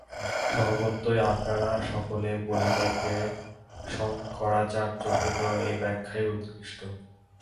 স্বভাবতই আপনারা সকলে বলিবেন যে, শঙ্করাচার্যকৃত এই ব্যাখ্যাই উৎকৃষ্ট।